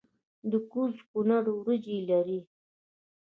د کوز کونړ وریجې لري